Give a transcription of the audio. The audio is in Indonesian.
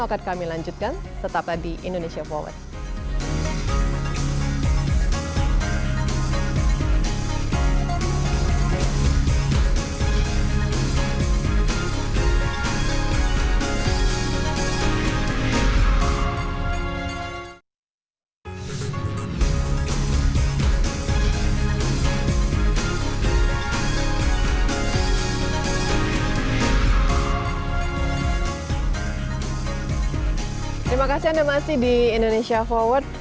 akan kami lanjutkan tetaplah di indonesia forward